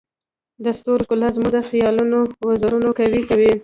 د ستورو ښکلا زموږ د خیالونو وزرونه قوي کوي.